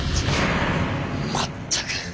まったく！